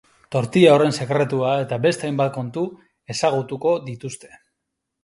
Tortilla horren sekretua eta beste hainbat kontu ezagutuko dituzte.